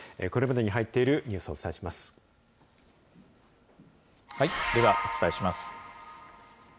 これまでに入っているニュースをではお伝えします。